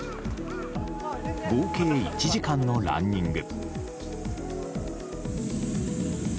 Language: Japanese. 合計１時間のランニング。